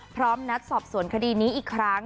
นัดสอบสวนคดีนี้อีกครั้ง